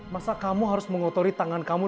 masa kamu harus mengotori tangan kamu